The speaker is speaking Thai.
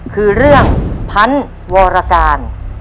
คือเรื่องพันธุ์วรการ